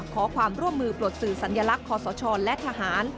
ขอความร่วมมือปลดสื่อสัญลักษณ์ขอสชและทหาร